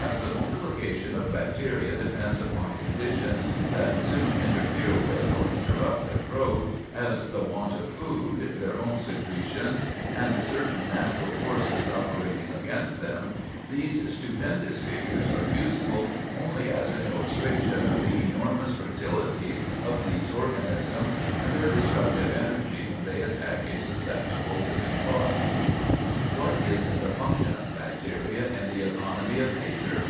As the multiplication of bacteria depends upon conditions that soon interfere with or interrupt their growth, as the want of food, their own secretions, and certain natural forces operating against them, these stupendous figures are useful only as an illustration of the enormous fertility of these organisms, and their destructive energy when they attack a susceptible living body. [Sidenote: The Function of Bacteria] What is the function of bacteria in the economy of nature?